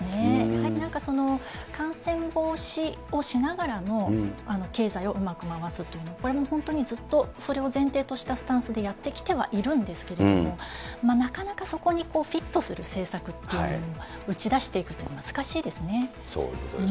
やはりなんか、感染防止をしながらも、経済をうまく回すっていうのは、これも本当にずっとそれを前提としたスタンスでやってきてはいるんですけれども、なかなか、そこにフィットする政策っていうものを打ち出していくというのはそういうことですね。